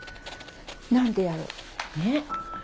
何でやろ？